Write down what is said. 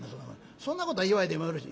そんなことは言わいでもよろしい。